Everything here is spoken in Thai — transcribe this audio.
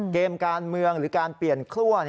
เกมการเมืองหรือการเปลี่ยนคลั่ว